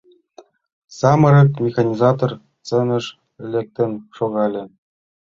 Самырык механизатор сценыш лектын шогале.